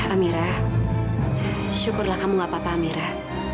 amira syukurlah kamu enggak apa apa amira